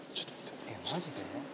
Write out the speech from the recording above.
マジで？